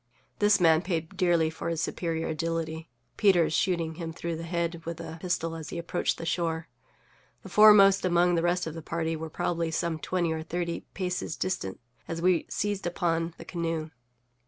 This man paid dearly for his superior agility, Peters shooting him through the head with a pistol as he approached the shore. The foremost among the rest of his party were probably some twenty or thirty paces distant as we seized upon the canoe.